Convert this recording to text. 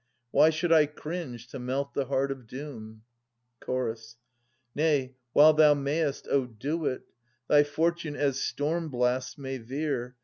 Why should J cringe to melt the heart of doom ? Chorus. {Ant. 2) Nay, while thou mayest, O do it ! Thy fortune, as storm blasts may veer.